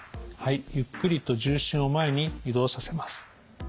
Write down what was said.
はいゆっくりと重心を前に移動させます。